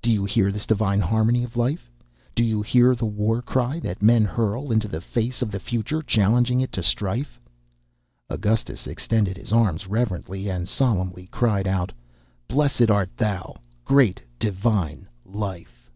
Do you hear this divine harmony of life? Do you hear the war cry that men hurl into the face of the future, challenging it to strife?" Augustus extended his arms reverently and solemnly cried out: "Blessed art thou, Great Divine Life!"